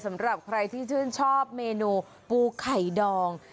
สำหรับใครที่ชื่นชอบเมนูปูไข่ดอง